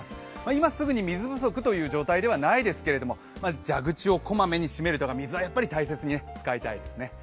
今すぐに水不足という状態ではないですけれども、蛇口を小まめに閉めるとか水は大切に使いたいですね。